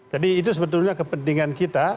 jadi itu sebetulnya kepentingan kita